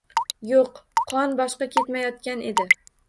Yo‘q, qon boshqa ketmayotgan edi.